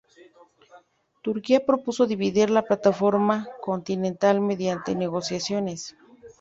Turquía propuso dividir la plataforma continental mediante negociaciones.